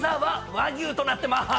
和牛となってまーす。